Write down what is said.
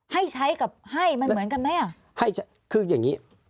ให้ใช้กับให้มันเหมือนกันไหมอ่ะให้ใช้คืออย่างงี้